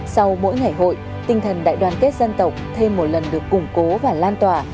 sau mỗi ngày hội tinh thần đại đoàn kết dân tộc thêm một lần được củng cố và lan tỏa